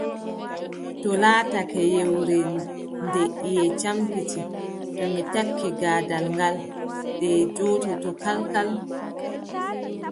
To laatake yewre nde ƴiƴe campiti, to mi ɓakki gaadal ngaal, ɗe njoototoo kalkal.